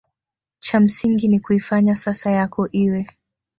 cha msingi ni kuifanya sasa yako iwe